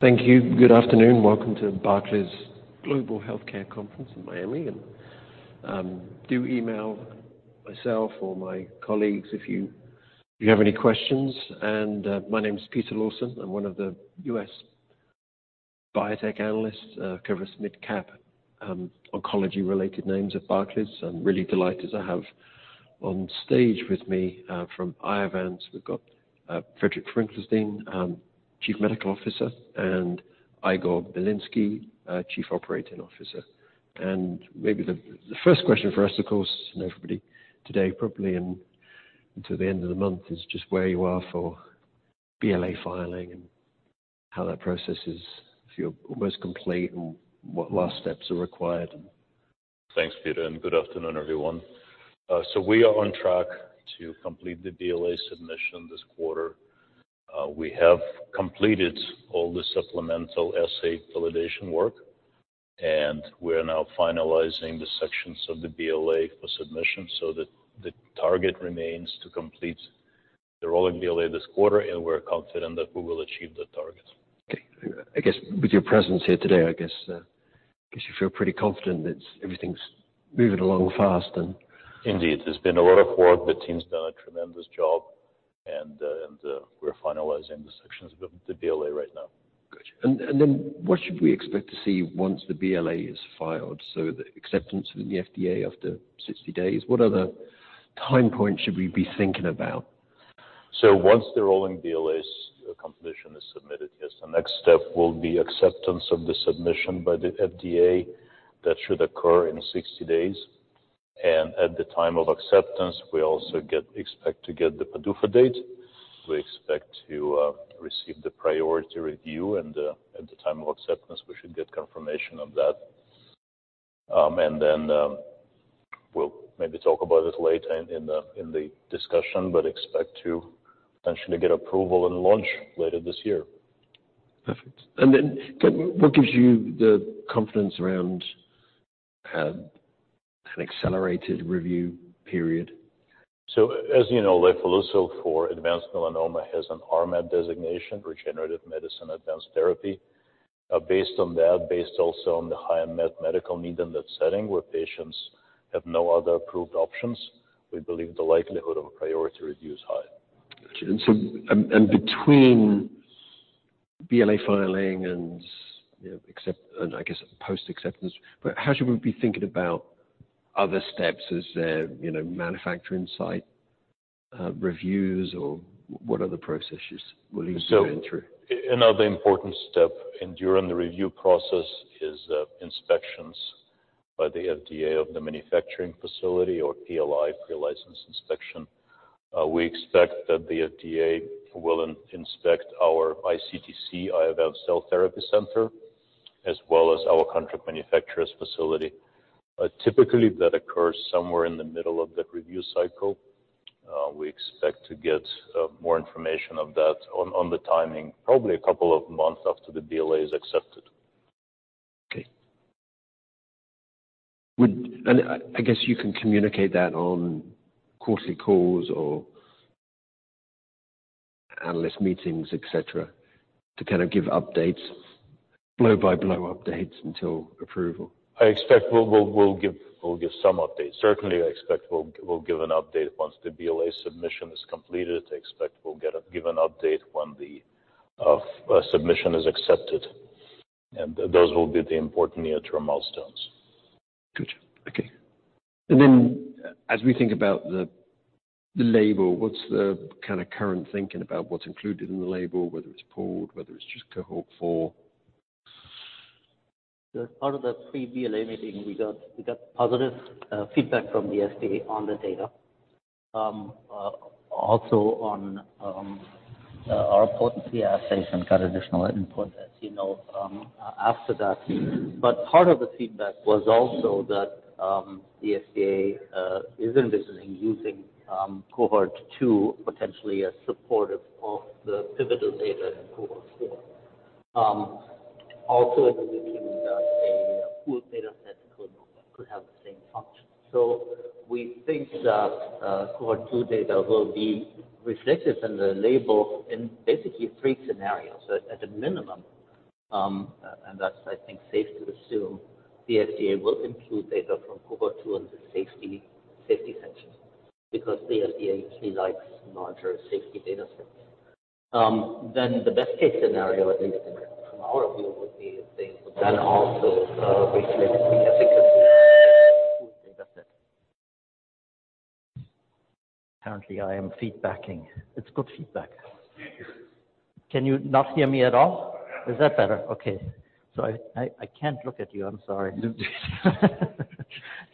Thank you. Good afternoon. Welcome to Barclays Global Healthcare Conference in Miami. Do email myself or my colleagues if you, if you have any questions. My name is Peter Lawson. I'm one of the U.S. biotech analysts, covering midcap, oncology-related names at Barclays. I'm really delighted to have on stage with me, from Iovance, we've got Friedrich Finckenstein, Chief Medical Officer, and Igor Bilinsky, Chief Operating Officer. Maybe the first question for us, of course, I know everybody today, probably, and until the end of the month, is just where you are for BLA filing and how that process is... If you're almost complete and what last steps are required. Thanks, Peter, and good afternoon, everyone. We are on track to complete the BLA submission this quarter. We have completed all the supplemental assay validation work, and we're now finalizing the sections of the BLA for submission so that the target remains to complete the rolling BLA this quarter, and we're confident that we will achieve the target. Okay. I guess with your presence here today, I guess you feel pretty confident that everything's moving along fast? Indeed. There's been a lot of work. The team's done a tremendous job, and we're finalizing the sections of the BLA right now. Got you. Then what should we expect to see once the BLA is filed? The acceptance within the FDA after 60 days, what other time points should we be thinking about? Once the rolling BLAs completion is submitted, yes, the next step will be acceptance of the submission by the FDA. That should occur in 60 days. At the time of acceptance, we also expect to get the PDUFA date. We expect to receive the priority review and at the time of acceptance, we should get confirmation on that. Then, we'll maybe talk about this later in the discussion, but expect to potentially get approval and launch later this year. Perfect. Then what gives you the confidence around, an accelerated review period? As you know, lifileucel for advanced melanoma has an RMAT designation, Regenerative Medicine Advanced Therapy. Based on that, based also on the high medical need in that setting where patients have no other approved options, we believe the likelihood of a priority review is high. Got you. Between BLA filing and, you know, I guess post acceptance, how should we be thinking about other steps? Is there, you know, manufacturing site reviews or what other processes will you be going through? another important step and during the review process is inspections by the FDA of the manufacturing facility or PLI, pre-license inspection. We expect that the FDA will inspect our ICTC, Iovance Cell Therapy Center, as well as our contract manufacturer's facility. Typically, that occurs somewhere in the middle of the review cycle. We expect to get more information of that on the timing, probably a couple of months after the BLA is accepted. Okay. I guess you can communicate that on quarterly calls or analyst meetings, et cetera, to kind of give updates, blow-by-blow updates until approval. I expect we'll give some updates. Certainly, I expect we'll give an update once the BLA submission is completed. I expect we'll give an update when the submission is accepted. Those will be the important near-term milestones. Got you. Okay. As we think about the label, what's the kind of current thinking about what's included in the label, whether it's pooled, whether it's just Cohort 4? As part of the pre-BLA meeting we got positive feedback from the FDA on the data. Also on our important CRS station got additional input, as you know, after that. Part of the feedback was also that the FDA is envisioning using Cohort 2 potentially as supportive of the pivotal data in Cohort 4. Also indicating that a pooled data set could have the same function. We think that Cohort 2 data will be reflected in the label in basically three scenarios. At a minimum, and that's, I think, safe to assume the FDA will include data from Cohort 2 in the safety section because the FDA likes larger safety data sets. The best-case scenario, at least from our view, would be if they would then also reflect the efficacy in the pooled data set. Apparently, I am feedbacking. It's good feedback. Can you not hear me at all? Yeah. Is that better? Okay. I can't look at you, I'm sorry.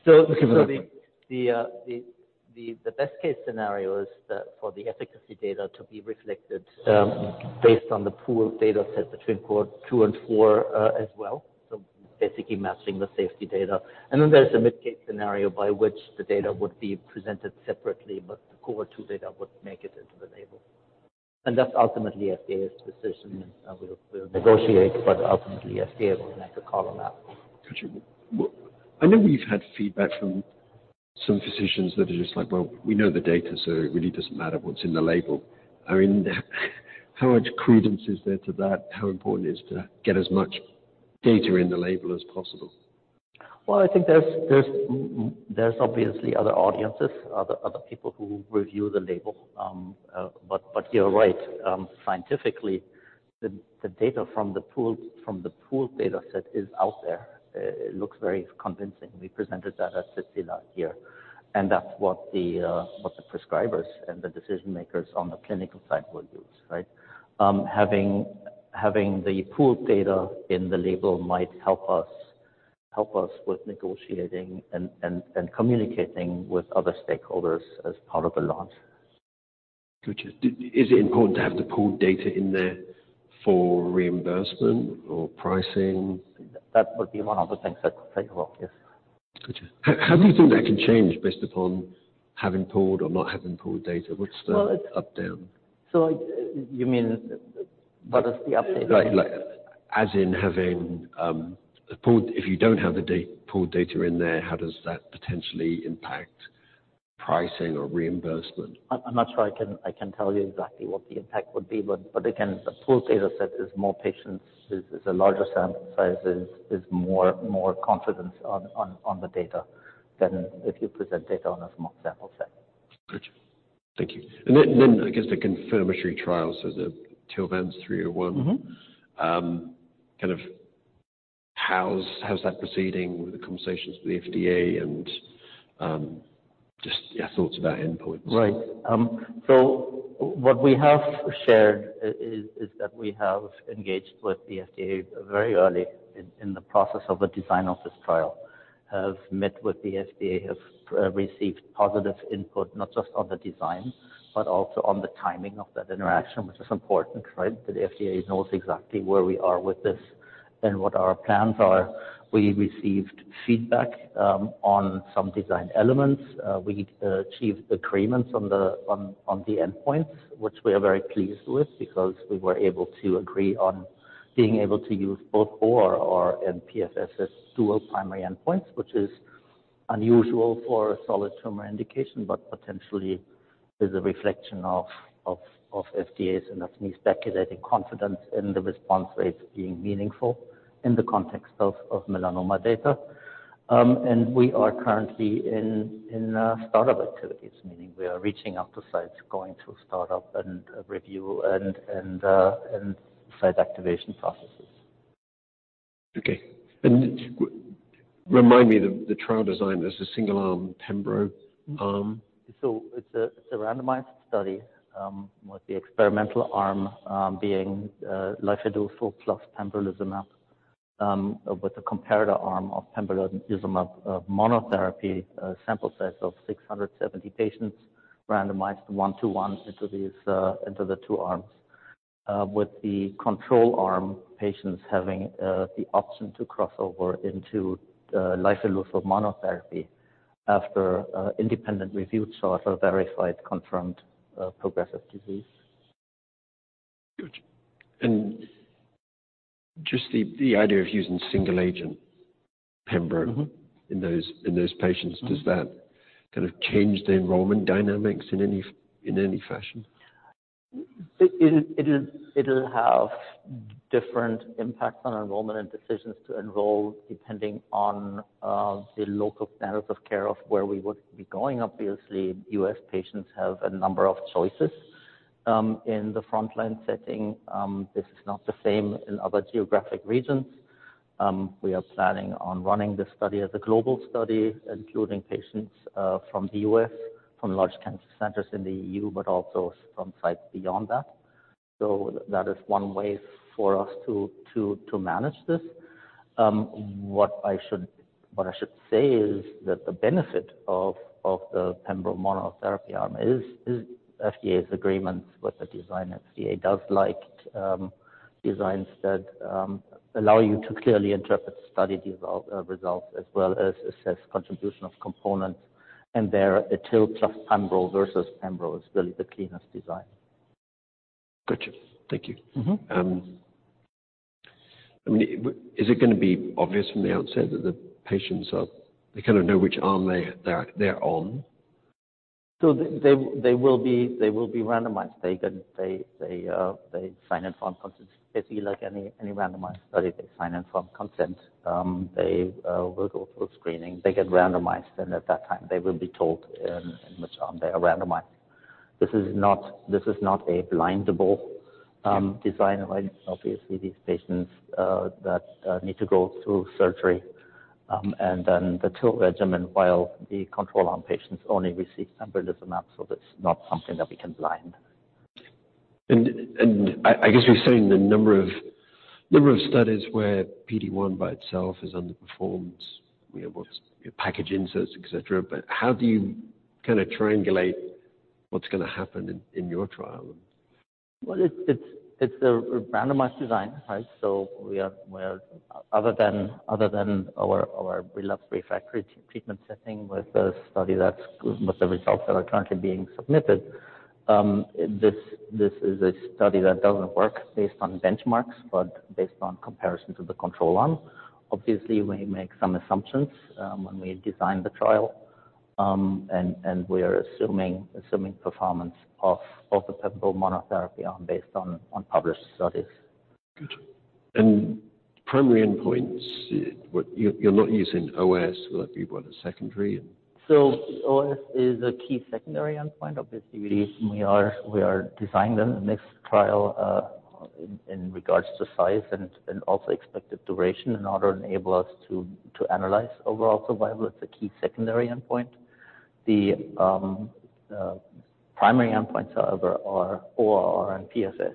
It's okay. The best-case scenario is for the efficacy data to be reflected based on the pooled data set between Cohort 2 and 4 as well, so basically matching the safety data. There's a mid-case scenario by which the data would be presented separately, but the Cohort 2 data would make it into the label. That's ultimately FDA's decision, and we'll negotiate, but ultimately FDA will make a call on that. Got you. I know we've had feedback from some physicians that are just like, well, we know the data, so it really doesn't matter what's in the label. I mean, how much credence is there to that? How important is it to get as much data in the label as possible? Well, I think there's obviously other audiences, other people who review the label. You're right. Scientifically, the data from the pooled data set is out there. It looks very convincing. We presented that at ASCO here, and that's what the prescribers and the decision-makers on the clinical side will use, right? Having the pooled data in the label might help us with negotiating and communicating with other stakeholders as part of the launch. Gotcha. Is it important to have the pooled data in there for reimbursement or pricing? That would be one of the things that's favorable, yes. Gotcha. How do you think that can change based upon having pooled or not having pooled data? What's the- Well. -updown? You mean what is the update? Like, as in having, the pooled... If you don't have the pooled data in there, how does that potentially impact pricing or reimbursement? I'm not sure I can tell you exactly what the impact would be, but it can. The pooled data set is more patients, is a larger sample size, is more confidence on the data than if you present data on a small sample set. Gotcha. Thank you. I guess the confirmatory trial, the TILVANCE-301. Mm-hmm. kind of how's that proceeding with the conversations with the FDA and just your thoughts about endpoints? Right. What we have shared is that we have engaged with the FDA very early in the process of the design of this trial, have met with the FDA, have received positive input not just on the design but also on the timing of that interaction, which is important, right? That the FDA knows exactly where we are with this and what our plans are. We received feedback on some design elements. We achieved agreements on the endpoints, which we are very pleased with because we were able to agree on being able to use both ORR or PFS as dual primary endpoints, which is unusual for a solid tumor indication, but potentially is a reflection of FDA's, and that's me speculating, confidence in the response rates being meaningful in the context of melanoma data. We are currently in startup activities, meaning we are reaching out to sites, going through startup and review and site activation processes. Okay. remind me the trial design is a single-arm pembro? It's a randomized study, with the experimental arm being lifileucel plus pembrolizumab, with the comparator arm of pembrolizumab monotherapy, a sample size of 670 patients randomized 1:1 into these, into the two arms. With the control arm patients having the option to cross over into lifileucel monotherapy after independent review source or verified confirmed progressive disease. Gotcha. just the idea of using single-agent pembro-... Mm-hmm. in those patients. Mm-hmm. Does that kind of change the enrollment dynamics in any fashion? It is, it'll have different impacts on enrollment and decisions to enroll depending on the local standards of care of where we would be going. Obviously, U.S. patients have a number of choices in the frontline setting. This is not the same in other geographic regions. We are planning on running this study as a global study, including patients from the U.S., from large cancer centers in the E.U., but also from sites beyond that. That is one way for us to manage this. What I should say is that the benefit of the pembro monotherapy arm is FDA's agreement with the design. FDA does like designs that allow you to clearly interpret study results as well as assess contribution of components. There, a TIL plus pembro versus pembro is really the cleanest design. Gotcha. Thank you. Mm-hmm. I mean, is it gonna be obvious from the outset that the patients are... they kind of know which arm they're on? They will be randomized. They can, they sign informed consent just like any randomized study. They sign informed consent. They will go through screening. They get randomized, and at that time, they will be told in which arm they are randomized. This is not a blindable. Yeah. -design, right? Obviously, these patients, that, need to go through surgery, and then the TIL regimen, while the control arm patients only receive pembrolizumab, so that's not something that we can blind. I guess we've seen the number of studies where PD-1 by itself has underperformed. We have what's, you know, package inserts, et cetera. How do you kind of triangulate what's gonna happen in your trial? Well, it's a randomized design, right? We're... Other than our relapsed refractory treatment setting with the study with the results that are currently being submitted, this is a study that doesn't work based on benchmarks, but based on comparison to the control arm. Obviously, we make some assumptions when we design the trial, and we are assuming performance of the pembro monotherapy arm based on published studies. Good. Primary endpoints, You're not using OS? Will that be a secondary? OS is a key secondary endpoint. Obviously, we are designing the next trial, in regards to size and also expected duration in order to enable us to analyze overall survival. It's a key secondary endpoint. The primary endpoints, however, are ORR and PFS.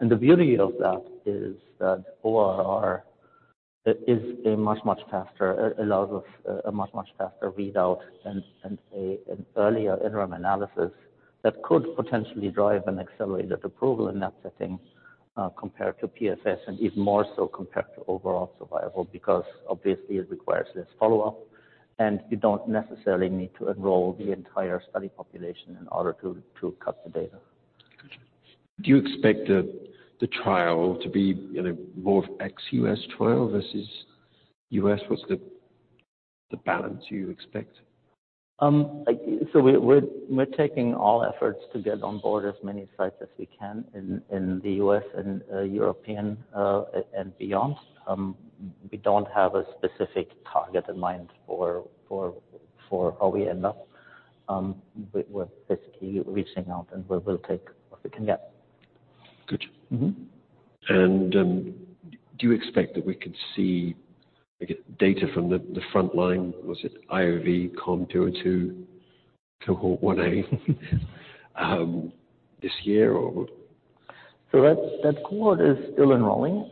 The beauty of that is that ORR allows us a much, much faster readout and an earlier interim analysis that could potentially drive an accelerated approval in that setting, compared to PFS, and even more so compared to overall survival, because obviously it requires less follow-up, and you don't necessarily need to enroll the entire study population in order to cut the data. Got you. Do you expect the trial to be, you know, more of ex-U.S. trial versus U.S.? What's the balance you expect? We're taking all efforts to get on board as many sites as we can in the U.S. and European and beyond. We don't have a specific target in mind for how we end up. We're basically reaching out, and we will take what we can get. Got you. Mm-hmm. Do you expect that we could see, I guess, data from the front line, was it IOV-COM-202 Cohort 1A, this year or? That cohort is still enrolling.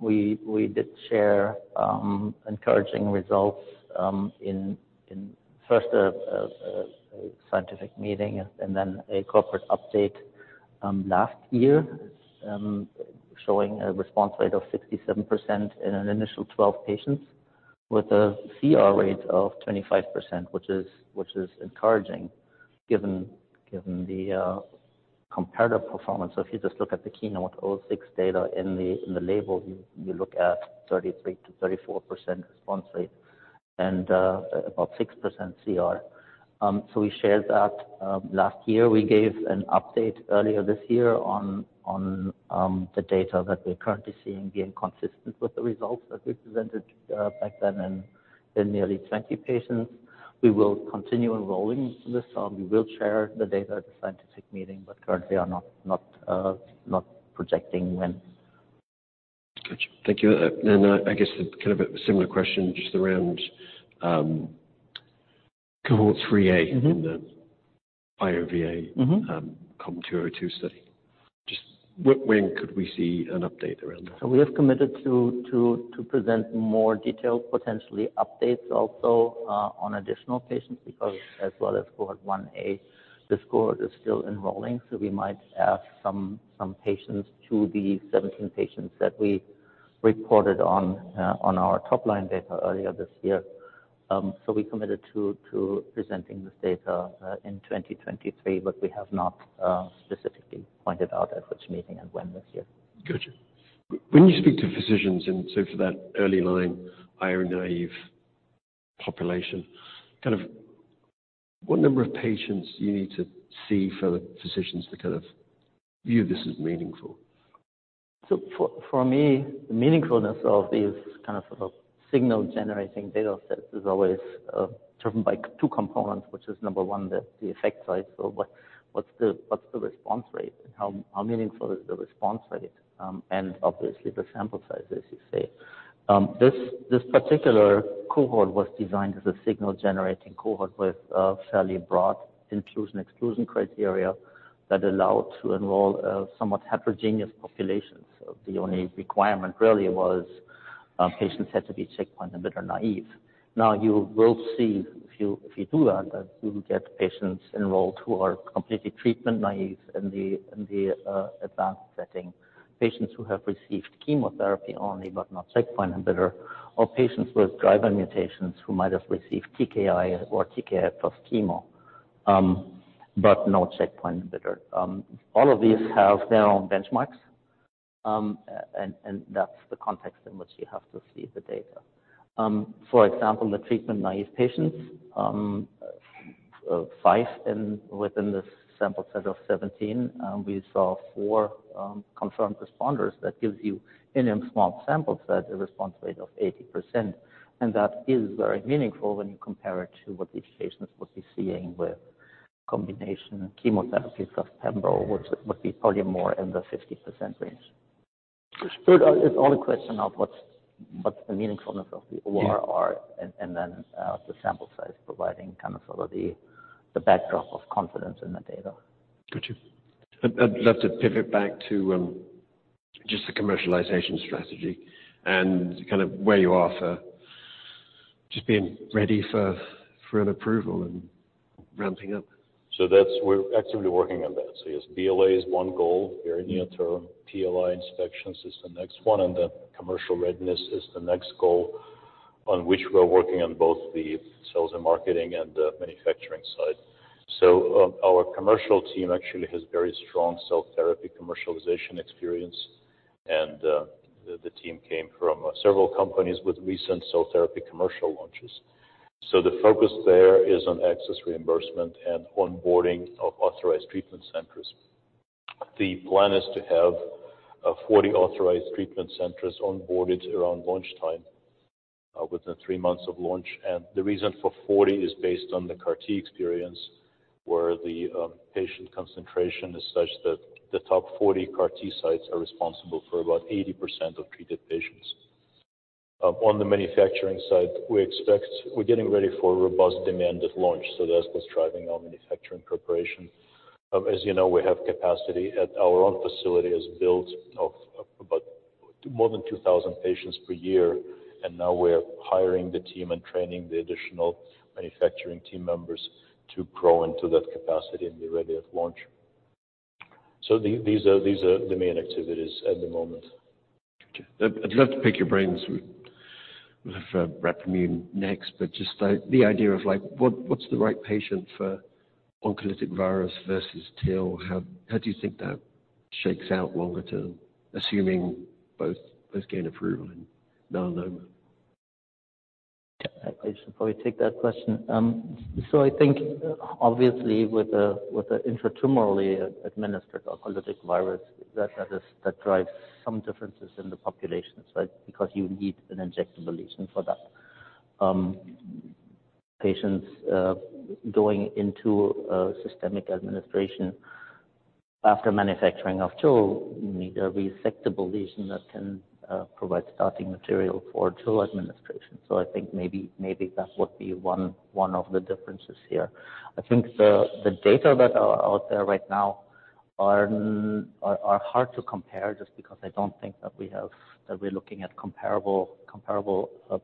We did share encouraging results in first scientific meeting and then a corporate update last year, showing a response rate of 67% in an initial 12 patients with a CR rate of 25%, which is encouraging given the comparative performance. If you just look at the KEYNOTE-006 data in the label, you look at 33%-34% response rate and about 6% CR. We shared that last year. We gave an update earlier this year on the data that we're currently seeing being consistent with the results that we presented back then in nearly 20 patients. We will continue enrolling this, we will share the data at the scientific meeting, but currently are not projecting when. Got you. Thank you. I guess kind of a similar question just around Cohort 3A Mm-hmm. in the IOVA Mm-hmm. COM 202 study. Just when could we see an update around that? We have committed to present more detailed, potentially updates also, on additional patients because as well as Cohort 1A, this cohort is still enrolling, so we might add some patients to the 17 patients that we reported on our top-line data earlier this year. We committed to presenting this data in 2023, but we have not specifically pointed out at which meeting and when this year. Got you. When you speak to physicians and so for that early line, IO-naive population, kind of what number of patients do you need to see for the physicians to kind of view this as meaningful? For me, the meaningfulness of these kind of, sort of, signal-generating data sets is always driven by two components, which is number one, the effect size. What's the response rate and how meaningful is the response rate, and obviously the sample size, as you say. This particular cohort was designed as a signal-generating cohort with a fairly broad inclusion, exclusion criteria that allowed to enroll somewhat heterogeneous populations. The only requirement really was patients had to be checkpoint inhibitor-naive. Now, you will see if you do that you will get patients enrolled who are completely treatment-naive in the advanced setting, patients who have received chemotherapy only, but not checkpoint inhibitor, or patients with driver mutations who might have received TKI or TKI plus chemo, but no checkpoint inhibitor. All of these have their own benchmarks, and that's the context in which you have to see the data. For example, the treatment-naive patients, within this sample set of 17, we saw four confirmed responders. That gives you in a small sample set, a response rate of 80%. That is very meaningful when you compare it to what these patients would be seeing with combination chemotherapies plus pembro, which would be probably more in the 50% range. Got you. It's all a question of what's the meaningfulness of the ORR. Yeah. Then, the sample size providing kind of sort of the backdrop of confidence in the data. Got you. I'd love to pivot back to just the commercialization strategy and kind of where you are for just being ready for further approval and ramping up. We're actively working on that. Yes, BLA is one goal here in the near term. PLI inspections is the next one, and then commercial readiness is the next goal. On which we're working on both the sales and marketing and the manufacturing side. Our commercial team actually has very strong cell therapy commercialization experience, and the team came from several companies with recent cell therapy commercial launches. The focus there is on access reimbursement and onboarding of authorized treatment centers. The plan is to have 40 authorized treatment centers onboarded around launch time, within three months of launch. The reason for 40 is based on the CAR-T experience, where the patient concentration is such that the top 40 CAR-T sites are responsible for about 80% of treated patients. On the manufacturing side, we expect. We're getting ready for a robust demand at launch, that's what's driving our manufacturing preparation. As you know, we have capacity at our own facility is built of about more than 2,000 patients per year, now we're hiring the team and training the additional manufacturing team members to grow into that capacity and be ready at launch. These are the main activities at the moment. Okay. I'd love to pick your brains with Rapamune next, but just like the idea of like what's the right patient for oncolytic virus versus TIL? How do you think that shakes out longer term, assuming both gain approval in melanoma? Yeah. I should probably take that question. I think obviously with the intratumorally administered oncolytic virus, that is, that drives some differences in the populations, right? You need an injectable lesion for that. Patients going into a systemic administration after manufacturing of TIL need a resectable lesion that can provide starting material for TIL administration. I think maybe that would be one of the differences here. I think the data that are out there right now are hard to compare just because I don't think that we're looking at comparable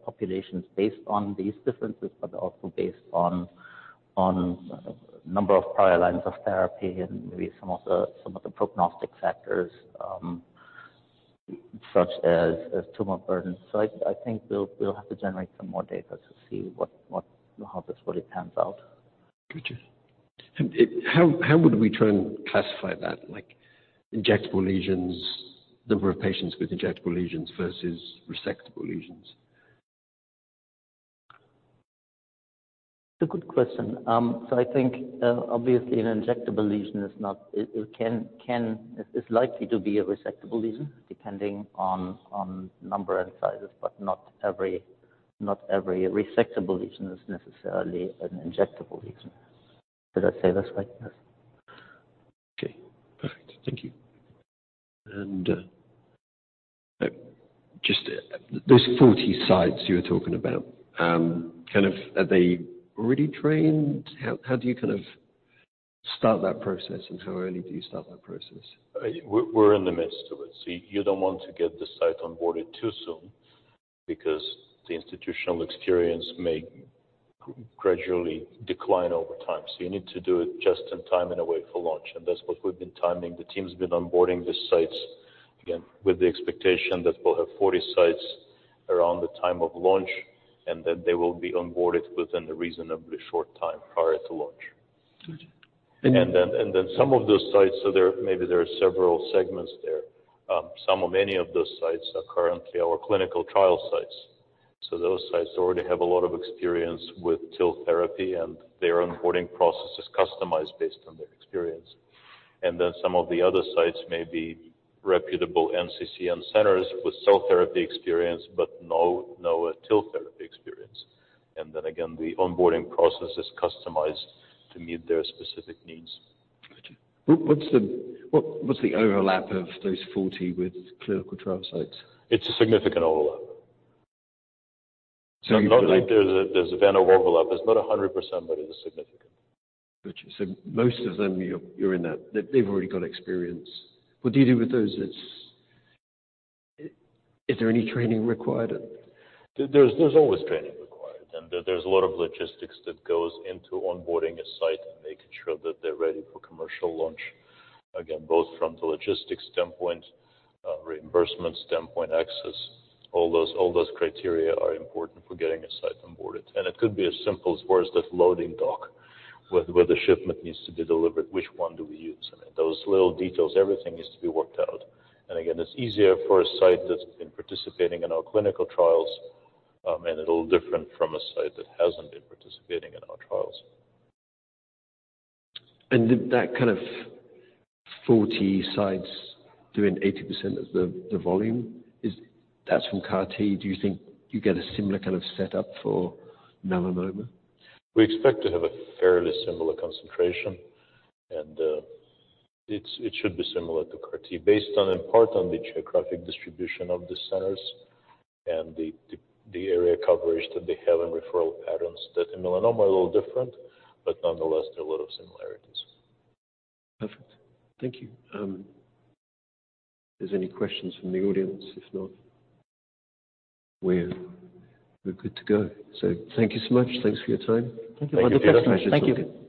populations based on these differences, but also based on number of prior lines of therapy and maybe some of the prognostic factors, such as tumor burden. I think we'll have to generate some more data to see how this really pans out. Gotcha. How would we try and classify that, like injectable lesions, the number of patients with injectable lesions versus resectable lesions? It's a good question. I think, obviously an injectable lesion is not, it is likely to be a resectable lesion depending on number and sizes, but not every resectable lesion is necessarily an injectable lesion. Did I say this right? Yes. Okay. Perfect. Thank you. Just those 40 sites you were talking about, kind of are they already trained? How do you kind of start that process, and how early do you start that process? We're in the midst of it. You don't want to get the site onboarded too soon because the institutional experience may gradually decline over time. You need to do it just in time in a way for launch, and that's what we've been timing. The team's been onboarding the sites, again, with the expectation that we'll have 40 sites around the time of launch, and then they will be onboarded within a reasonably short time prior to launch. Gotcha. Some of those sites, maybe there are several segments there. Some or many of those sites are currently our clinical trial sites. Those sites already have a lot of experience with TIL therapy, and their onboarding process is customized based on their experience. Some of the other sites may be reputable NCI and centers with cell therapy experience but no TIL therapy experience. Again, the onboarding process is customized to meet their specific needs. Gotcha. What's the overlap of those 40 with clinical trial sites? It's a significant overlap. You feel. I feel like there's a Venn overlap. It's not 100%, but it's significant. Gotcha. Most of them you're in that... They've already got experience. What do you do with those that's... Is there any training required? There's always training required, and there's a lot of logistics that goes into onboarding a site and making sure that they're ready for commercial launch. Again, both from the logistics standpoint, reimbursement standpoint, access, all those criteria are important for getting a site onboarded. It could be as simple as where's the loading dock where the shipment needs to be delivered, which one do we use? I mean, those little details, everything needs to be worked out. Again, it's easier for a site that's been participating in our clinical trials, and a little different from a site that hasn't been participating in our trials. Did that kind of 40 sites doing 80% of the volume, that's from CAR-T. Do you think you get a similar kind of setup for melanoma? We expect to have a fairly similar concentration, and it should be similar to CAR-T based on in part on the geographic distribution of the centers and the area coverage that they have and referral patterns that in melanoma are a little different, but nonetheless, there are a lot of similarities. Perfect. Thank you. If there's any questions from the audience. If not, we're good to go. Thank you so much. Thanks for your time. Thank you for the question. Thank you. It's a pleasure talking. Thank you.